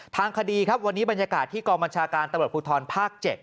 ทางคดีครับวันนี้บรรยากาศที่กองบัญชาการตำรวจภูทรภาค๗